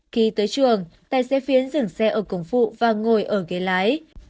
khi tới trường tài xế phiến dừng xe ở cổng phụ và ngồi ở ghế lái